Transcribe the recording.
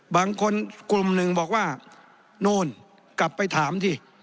บางคนกลุ่มหนึ่งบอกว่าโน้นกลับไปถามที่